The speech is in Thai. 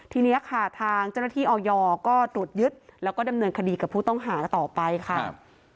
ทีนี้ค่ะทางเจ้าหน้าที่ออยก็ตรวจยึดแล้วก็ดำเนินคดีกับผู้ต้องหาต่อไปค่ะ